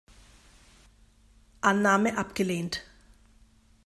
Annahme abgelehnt